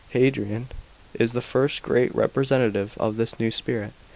Hadrian is the first great representative of this new spirit.